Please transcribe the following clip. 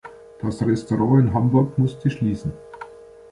Das Restaurant in Hamburg musste schließen.